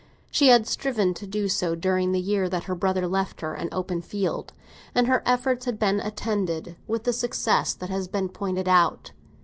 She had striven to do so during the year that her brother left her an open field, and her efforts had been attended with the success that has been pointed out.